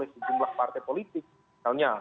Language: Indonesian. sejumlah partai politik misalnya